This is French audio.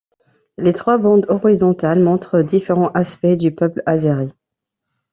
Les trois bandes horizontales montrent différents aspects du peuple azéri.